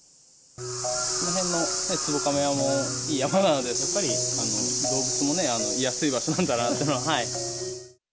この辺の壺瓶山もいい山なので、やっぱり動物もいやすい場所なんだなっていうのは。